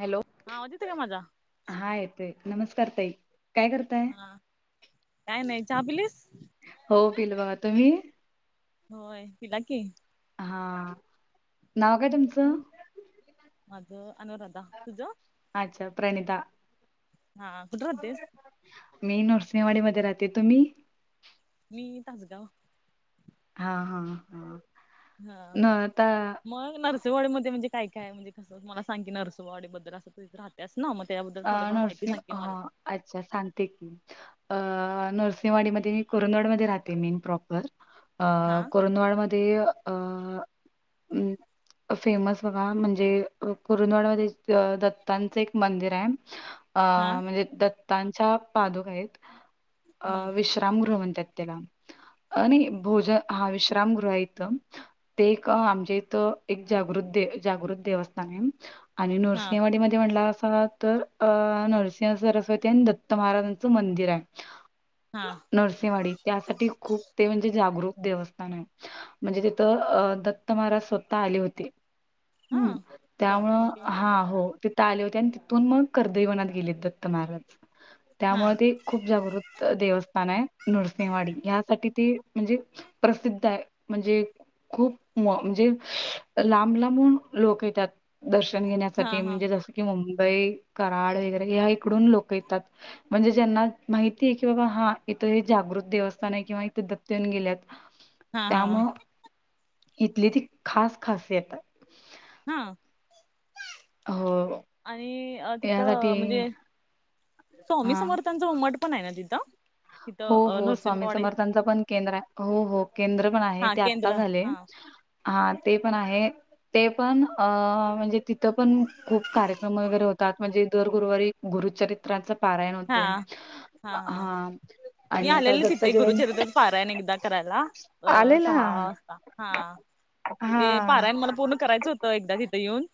Hello हा आवाज येतो का माझा? हा येतोय नमस्कार ताई काय करताय हा काय नाही चहा पिलीस हो पिलो बघा तुम्ही होय पिला की हा नाव काय तुमच? हम् माझ अनुराधा तुझ? अच्छा प्रणिता हा कुठ राहतेस? मी नरसिंहवाडीमध्ये राहते. तुम्ही? मी तासगाव. हा, हा, हा. हा, न आता मग नर वाडीमध्ये म्हणजे काय काय हाय? म्हणजे कसं मला सांग की नरसोबावाडी बद्दल असं तु राह त्याच ना मग त्याबद्दल अ थोडीफार माहिती नर्सिंग सांग की मला. हा अच्छा सांगते की. अ नरसिंहवाडीमध्ये मी कुरुंदवाडमध्ये राहते मेन प्रॉपर. अ हा कुरुंदवाडमध्ये अ अं फेमस बघा म्हणजे कुरुंदवाडमध्ये अ दत्तांचं एक मंदिर [unintelligible] हा अं म्हणजे दत्तांच्या पादुका हाईत अ हम्म विष विश्रामगृह म्हंणतात त्याला अ नाही भोजन हा विश्रामगृह आहे इथं. ते एक आमच्या इथं एक जागृत दे जागृत देवस्थान आहे. आणि हा नरसिंहवाडीमध्ये म्हटला असा तर अ नरसिंह सरस्वती आणि दत्त महाराजांचं मंदिर आहे. हा. नृसिंहवाडी त्यासाठी खूप ते म्हणजे जागरूक देवस्थान आहे. म्हणजे तिथं अ दत्त महाराज स्वतः आले होते. हा हम्म. बर त्यामुळं ओके हा हो तिथं आले होते आणि ते तिथुन मग कर्दैवनात गेले दत्त महाराज. हा त्यामुळं ते खूप जागृत देवस्थान आहे नृसिंहवाडी. यासाठी ते म्हणजे प्रसिद्ध आहे म्हणजे खूप म्हणजे लांब लांबून लोक येतात. दर्शन हा घेण्यासाठी हा म्हणजे जसं की मुंबई, कराड वगैरे या इकडून लोक येतात. म्हणजे ज्यांना माहितीये की बाबा हा इथं हे जागृत देवस्थान आहे किंवा इथे दत्त येऊन गेल्यात. [unintelligible] हा, हा. इथली ती खास खासियत आहे. हा. हो आणि अ यासाठी तिथं म्हणजे स्वामी हा समर्था मठ पण आहे ना तिथं? हो तिथं हो. स्वामी नृसिंहवाडीत समर्थांचा पण केंद्र हो हो केंद्र पण आहे हा ते आता केंद्र झालंय. हा हा ते पण आहे. ते पण अ म्हणजे तिथं पण खूप कार्यक्रम वगैरे होतात म्हणजे दर गुरुवारी गुरुचरित त्राच पारायण होते. हा हा मी आणि आता आलेले दत्त तिथे जयंत गुरुचरित्रच पारायण एकदा करायला. अ आलेला सहा वाजता हा. हा ते पारायण मला पूर्ण करायचं हो एकदा तिथं येऊन,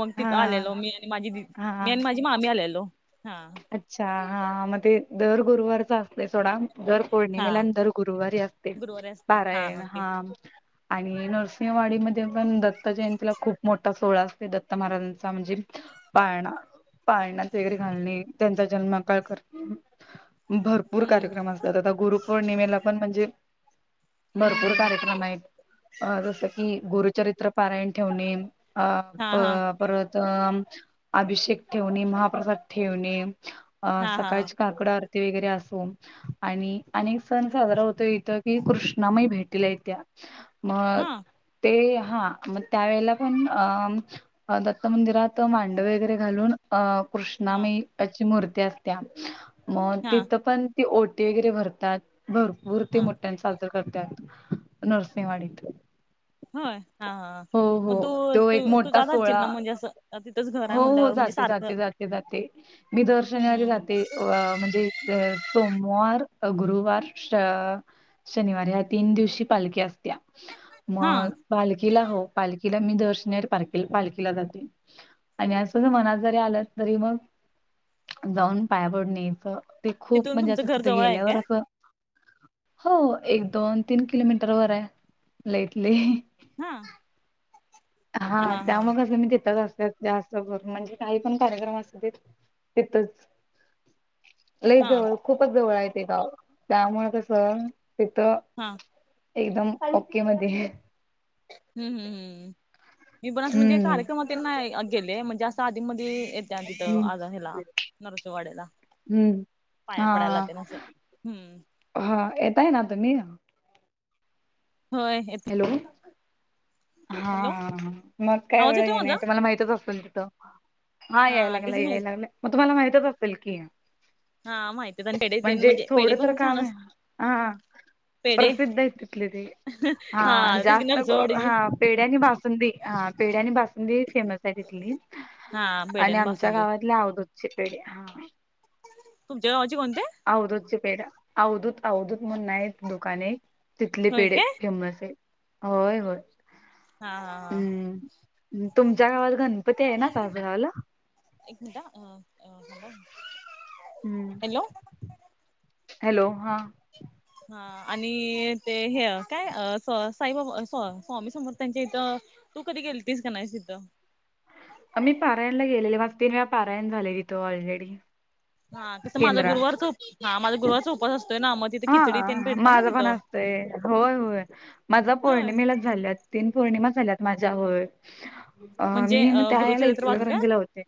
मग हा तिथं आलेलो. मी आणि माझी दि मी हा आणि माझी मी, मामी आलेलो हा. अच्छा हा मग ते दर गुरुवारचा असतंय सोडा. दर हा पौर्णिमेला आणि दर गुरुवारी असते गुरुवारी असते पारायण ओके हा. आणि नरसिंहवाडीमध्ये पण दत्त जयंतीला खूप मोठा सोहळा असतंय दत्त महाराजांचा. म्हणजे पाळणा पाळणा चेकरी घालणे. त्यांचा जन्मकाळ कर [unintelligible] भरपूर हम्म कार्यक्रम असत त्यात आता गुरुपौर्णिमेला पण म्हणजे भरपूर हम्म कार्यक्रम आहेत. अ जसं की गुरुचरित्र पारायण ठेवणे. अ हा हा प-परत तर अभिषेक ठेवणे, महाप्रसाद ठेवणे. अ हा हा सकाळची काकडं आरती वगैरे असून आणि अनेक सण साजरा होतो इथ कि कृष्णामही भेटीला आहे त्या्या मग हा ते हा मग त्यावेळेला पण दत्त मंदिरात मांड वगैरे घालून अ हा कृष्णाम अची मूर्ती असत्या मग हा तिथं पण ती ओटी वगैरे भरतात भरपूर ते हा मोठ्यां चाल. करतात नर्सिंहवाडीत होय हा ह हो मग तो एक तूू तू मोठा जातील सोहळा ना म्हणजे असं. तिथंच घर आहे हो हो म्हटल्यावर म्हणजे जाते सारखं जाते जाते जाते मी दर शनिवारी हम्म जाते. अ म्हणजे सोमवार गुरुवार शनिवारी ह्या तीन दिवशी पालखी असत्या हा मग पालखीला हो पालखीला मी दर्शने पालखला पालखीला जाते. आणि असं मनात जरी आलं तरी मग जाऊन पाया पडणेच ते खूप तिथून म्हणजे तुमचं आता घर तिथे जवळ आहे काय गेल्यावर असं. हो एक दोन तीन किलोमीटर वर आहे लईटली हा. हा त्या मग कं मी देतच असत. जास्तभर म्हणजे काही पण कार्यक्रम असत ते तथच. लई हा जवळ खूपच जवळ आहे ते गाव त्यामुळ कस तिथं. हां. एकदम ओके मध्ये हम्म हम् हम् मी बणत म्हणजे हम्म कार्यक्रमात त्यांना गेले म्हणजे असं आधी म येत तिथं हम्म आजा हला नरसिवाड्याला हम्म. पाया पडायला हा लागते. हा येतय ना तुम्ही? होय. येत हॅलो हा हॅलो ह मग काय आवाज एवढं येतोय येण माझा तुम्हाला माहितच असेल तथं हा याय लागला त्याची याय माहित लागलं मग तुम्हाला माहितच असेल की हा माहितीत आणि पेढे तेन म्हणजे पेढे थोडं तर पण छान काम आहे अस हा. पेढे प्रसिद्ध आहे इथली ती हा तेच की जास्त नरसोबावाडीची हा पेढ्या आणि बासुंदी हा पेढ्या आणि बासुंदी फेमस आहे तिथली. हा पेढे आणि आमच्या बासुंदी गावातल्या अवधूतचे पेढे हा. तुमच्या गावाचे कोणते? अवधूत चे पेढे अवधूत अवधूत म्हणून एक दुकान आहे तिथले होय पेढे काय होय होय. हा हा हा हम्म तुमच्या गावात गणपती आहे ना ताजं गावला एकक मिटा अ ह. हम्म हॅलो हा. हा आणि ते हे काय साईबाबा स्वामी समोर त्यांच्या इथं. तू कधी गेलतीस का नाही सिद्ध मी पारायणला गेले माज तीन वेळा पारायण झालेली तो ऑलरेडी हा तसं माझ्या केंद्रात गुरुवचा हा माझ्या गुरुवाचा उपासतय ना मग तिथे खिचडी तेन हा भेटत्या ना माझ पण तिथं. असतंय होय होय माझा होय पौर्णिमेला झाल्या तीन पौर्णिमा झाल्यात माझ्यावर अं म्हणजे मी मग त्याला गुरुचरित्र इेत वाचून लकर काय रंजीला होते.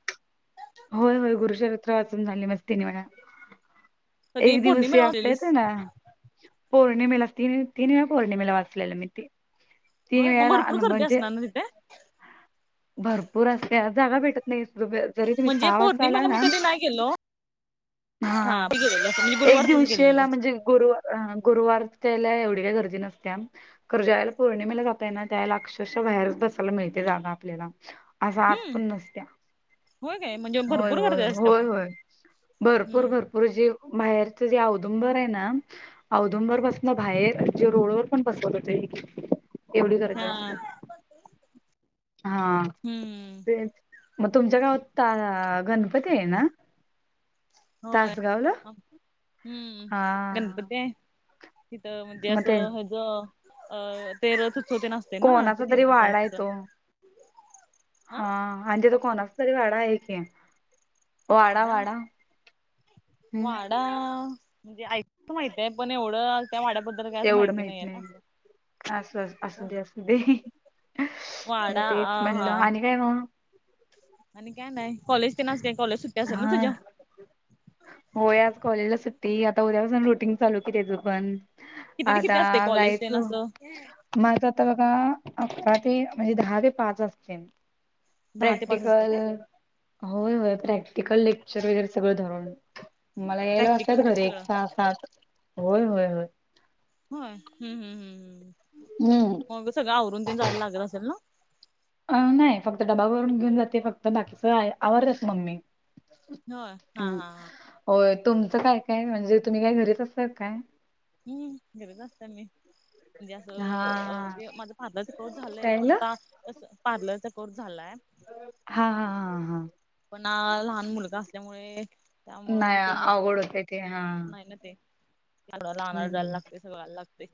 होय होय गुरुचरित्र वाचून झाली मस्तीने मला कधी एक दिवस पौर्णिमेला असतात. वाचलेलीस? पौर्णिमेला तीन तिन पौर्णिमेला वाचलेलं मी ते तीन होय मग वला भरपूर अन गर्दी म्हज असणार ना तिथे? भरपूर असल्या जागा भेटत नाही जरी तुम्ही म्हणजे सहा वाजता आला पौर्णिमेला मी ना. कधी नाही गेलो. हा. मी गेलेलो म्हणजे एक गुरुवारचच गेलेलो. दिवशीला म्हणजे गुरुवार, अ गुरुवार त्याला एवढी काही गर्दी नसत्या. खर ज्यावेळेला पौर्णिमेला जाताय ना त्यावेळेला अक्षरशः बाहेरच बसायला मिळते जागा आपल्याला. असा आत हम्म पण नसत्या. होय काय? म्हणजे होय, भरपूर गर्दी होय, असत्या होय, मग होय. भरपूर हम्म भर पुढं जे बाहेरच जे औदुंबर आहे ना औंदूबरपासनं बाहेर जे रोडवर पण बसत होते एवढी गर्दी हा असत्या. हा. हम्म. ते मग तुमच्या गावात आ गणपती आहे ना? होय, तासगावला हम्म. हा गणपती हाय. तिथं म्हणजे मग ते असं हेज अ [unintelligible] तेन असं असतय ना ते कोणाचा तरी फेमस वाडा आहे तो. हा आणि जे तो कोणाच तरी वाडा आहे की, वाडा, वाडा हम्म. [unintelligible] म्हणजे ऐकुन माहिते हाय, पण एवढं त्या वाड्याबद्दल काय असं तेवढं माहिती माहित नाहीये ना नाही. अस असू दे असू दे वाडा अ तेच हा म्हणलं. आणि काय मग? आणि काय नाही. कॉलेज तेन काय कॉलेज सुट्टी असेल ना हा तुझ्या? होय आज कॉलेजला सुट्टी. आता उद्यापासून रुटीन चालू की तेज पण. किती ते आता किती असते कॉलेज ते जायाचं. असं माझं आता बघा अकरा ते म्हणजे दहा ते पाच असतंय. दहा ते पाच असते प्रॅक्टिकल काय होय, होय. प्रॅक्टिकल, लेक्चर वगैरे सगळं धरून. मला यायला प्रॅक्टिकल वाजतात ते घरी एक सगळं सहा सात. होय, ‌होय, होय. होय? हम्म, हम्म, हम्म. हम्म. मग सगळं आवरून तेन जायला लागलं असेल ना? अं नाही फक्त डबा भरून घेऊन जाते फक्त. बाकीच आवरत्याच की मम्मी. होय हा हम्म. हा हा होय तुमचं काय काय म्हणजे तुम्ही काय घरीच असताय का काय? हम्म, घरीच असत्या मी. म्हणजे हा असं अ माझं पार्लरचा कोर्स हा झालंय, पण आता कसं पार्लरचा कोर्स झालाय. हा, हा, हा, हा. पण हा लहान मुलगा असल्यामुळे त्यामुळे मग अं ते होत अवघड होतय ते हा. नाही ना ते. [unintelligible] आणाय जायला हम्म लागतंय, वायला लागतंय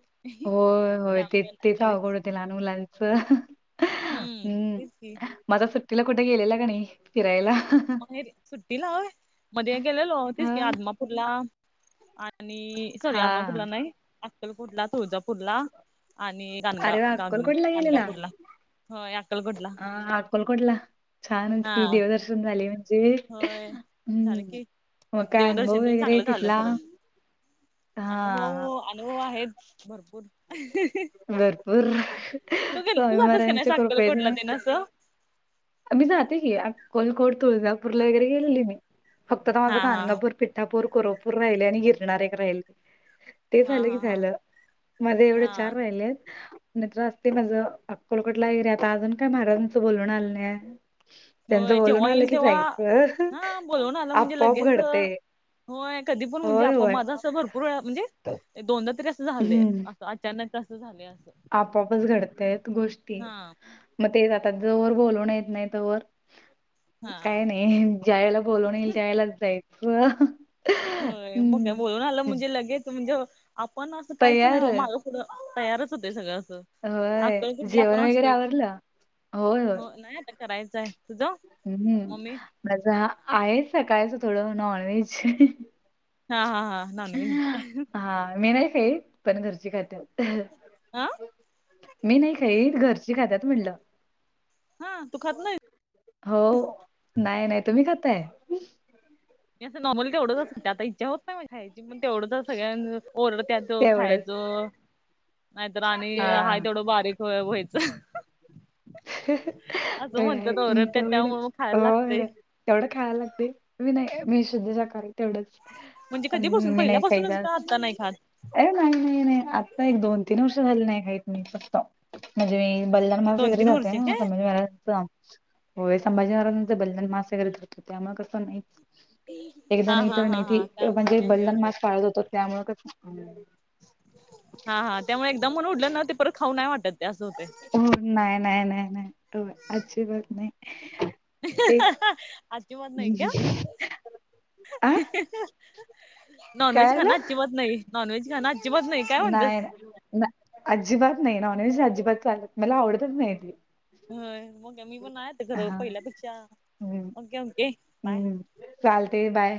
होय होय ते त्यामुळं नाही तेच घरीच. अवघड होते [unintelligible] हम्म तेच की. मग आता सुट्टीला कुठे गेलेला का नाही फिरायला? माहेरी सुट्टीला होय, मध्ये गेलेलो तेच हा की आदमापूरला आणि सॉरी हा आदमापुरला नाही. अक्कलकोटला, तुळजापूरला आणि गाणगा अरे वा गांगण अक्कलकोटला गेलेला? गाणगापूरला होय अक्कलकोटला अ अकलकोटला छानच हा कि देवदर्शन झाले. होय [unintelligible] झालं हम्म, की मग काय अनुभव देवदर्शन पण वगैरे आहे चांगलं झालं तिथला? खरं अनुभव, हा अनुभव आहेच भरपूर. भरपूर तू गेल स्वामी तू जातस का महाराजांच्या नाही अक्कलकोटला कृपेने. तेन असं मी जाते की, अक्कलकोट, तुळजापूरला वगैरे गेलेली मी. फक्त आता माझं हा हा हा गानगापूर, पिठापूर, कोरपूर राहिलय आणि गिरणार एक राहिलय. ते हा झालं हा की हा झालं माझे एवढे हा चार राहिले. मित्र असते माझं अक्कोलकटला एरियात अजून काय महाराजांचं बोलून आलंय. होय जेव्हा येईल तेव्हा जायचं हा बोलून आलं म्हणजे आपोआप लगेच. घडते होय कधी पण म्हणजे होय आप होय माझा असं भर पूर् म्हणजे दोनदा तरी असं झाले असं अचानक असं झाले असं. आपआपच घडतय गोष्टी. हा मग ते ज जर बोलून येत नाही तोवर. हा काय नाही ज्या वळेला बोलवून येईल त्या वयलाच जायच. होय मग काय बोलून आलं म्हणजे लगेच म्हणजे आपण असं काहीच नाही माझ. तयारच तयारच होते सगळं असं. होय अकल कुठला जेवण पण वगैरे असतोय आवरलं? होय होय हो नाही आता करायचं आहे. हम्म म्हझ, आहे सकाळच थोडं नॉनव्हेज. हा हा हा. नॉनव्हेज हा मी नाही खई पण घरची खात्यात. हा. मी नाही खाई, घरची खातात म्हणलं. हा तू खात नाही? हो, नाही नाही तुम्ही खाताय? मी असं नॉर्मली तेवढच आता इच्छा होत नाही खायची पण तेवढच सगळ्यांना ओरडत्यात. तो तेवढंच खायचो नाहीतर आणि हा तेवडं बारीक व्हायच. मी नाही, ओरडतात त्यामुळे मग तेवढंच खायला लागतंय. होय. तेवढं खायला लागते, मी नाही मी शुद्धशाकाहारी. तेवढंच, म्हणजे कधीपासून मी नाही काही पहिल्यापासूनच का जास्त. आत्ता नाही खात? अ नाही नाही नाही आत्ता एक दोन तीन वर्ष झाले नाही काही त मी फक्त म्हणजे मी बला. दोन वगैरे तीन जातते वर्षे काय? ना [unintelligible] होय संभाजीहाराजांच बलिदान मास वैगर धरतो त्यामुळे कंस नाही. एकदा हा नाही हा तर हा नाही हा त त्यामुळे म्हणजे ते हे बलिदान होते. मास पाळत होतो त्यामुळं. हा हा, त्यामुळे एकदा मणून उडलं ना ते परत खाऊ नाही वाटत ते असं होत. हो नाही नाही नाही नाही हो आजची बात नाही. हा हा तेच हा अजिबात नाही ठेव. आ नॉन व्हेज काय खाण झालं आज्चीबात नाही. नॉनव्हेज खाना अजीबात नाही. काय नाही म्हणतेस? ना अजिबात नाही नॉनव्हेज अजिबात चालत मला आवडतच नाही त. होय, मी पण आहे घरो पहिल्यापेक्षा हम्म ओके ओके बाय. हम्म चालते बाय.